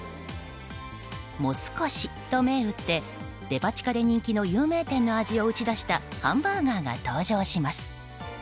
モス越と銘打ってデパ地下で人気の有名店の味を打ち出したハンバーガーが登場します。